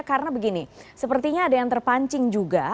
karena begini sepertinya ada yang terpancing juga